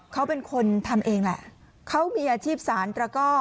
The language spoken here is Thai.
เขาเป็นคนทำเองแหละเขามีอาชีพสารตระก้อ